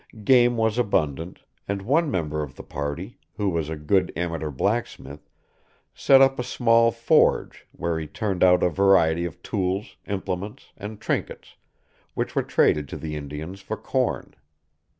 Game was abundant; and one member of the party, who was a good amateur blacksmith, set up a small forge, where he turned out a variety of tools, implements, and trinkets, which were traded to the Indians for corn.